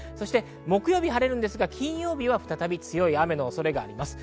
木曜日は晴れますが金曜日は再び強い雨の恐れがあります。